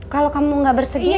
kalau kamu gak bersedia